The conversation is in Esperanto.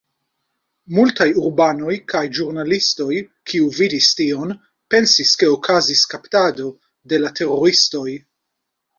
Multaj urbanoj kaj ĵurnalistoj, kiuj vidis tion, pensis ke okazis kaptado de la teroristoj.